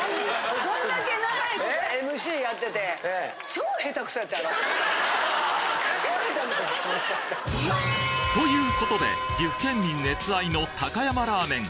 超ヘタクソ。ということで岐阜県民熱愛の高山ラーメン